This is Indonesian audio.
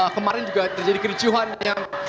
kemarin juga terjadi kericuhan yang